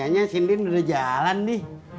kayaknya sindir udah jalan di